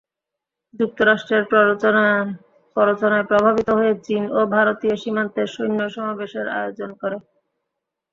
যুক্তরাষ্ট্রের প্ররোচনায় প্রভাবিত হয়ে চীনও ভারতীয় সীমান্তে সৈন্য সমাবেশের আয়োজন করে।